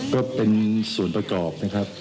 ก็เป็นส่วนประกอบนะครับ